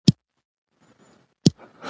بل ځل به یې پسه پسې څو کاوه ژړا یې راتله.